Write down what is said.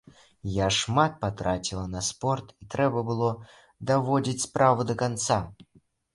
Я шмат патраціла на спорт, і трэба было даводзіць справу да канца.